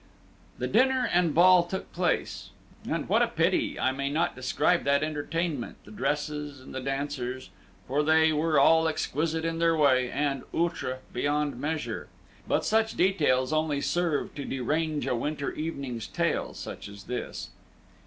The dinner and the ball took place; and what a pity I may not describe that entertainment, the dresses, and the dancers, for they were all exquisite in their way, and outré beyond measure. But such details only serve to derange a winter evening's tale such as this.